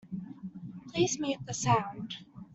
Please mute the sound.